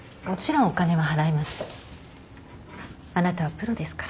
あなたはプロですから。